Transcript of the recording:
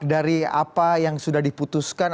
dari apa yang sudah diputuskan